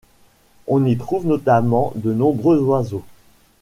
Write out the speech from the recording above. On y trouve notamment de nombreux oiseaux.